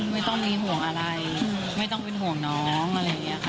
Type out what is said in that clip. ไม่ต้องมีห่วงอะไรไม่ต้องเป็นห่วงน้องอะไรอย่างนี้ค่ะ